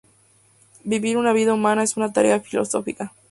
Vivir una vida humana es una tarea filosófica.